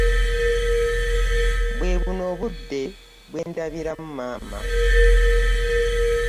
Bwebuno obudde bwendabiramu maama.